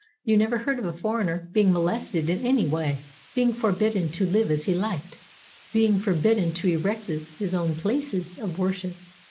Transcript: You never heard of a foreigner being molested in any way, being forbidden to live as he liked, being forbidden to erect his own places of worship.